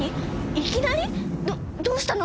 いきなり⁉どうしたの？